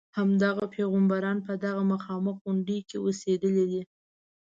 همدغه پیغمبران په دغه مخامخ غونډې کې اوسېدلي دي.